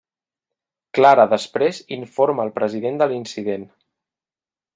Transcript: Clara Després informa el President de l'incident.